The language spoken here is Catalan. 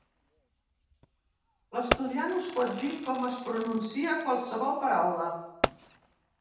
L'estudiant us pot dir com es pronuncia qualsevol paraula.